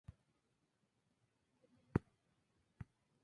No parece que estos efectos secundarios sean dependientes de la dosis.